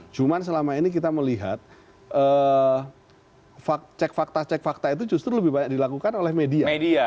cuma selama ini kita melihat cek fakta cek fakta itu justru lebih banyak dilakukan oleh media